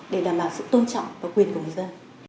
để đảm bảo sự tôn trọng và quyền của người dân